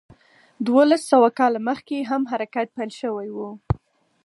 دولس سوه کاله مخکې هم حرکت پیل شوی و.